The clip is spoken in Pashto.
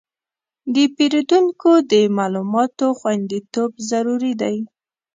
د پیرودونکو د معلوماتو خوندیتوب ضروري دی.